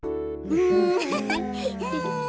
うん。